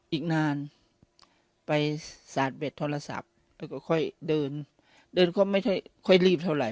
อีกนานไปสาดเบ็ดโทรศัพท์แล้วก็ค่อยเดินเดินก็ไม่ค่อยรีบเท่าไห